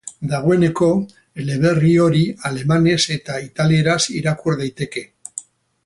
Dagoeneko, eleberri hori alemanez eta italieraz irakur daiteke.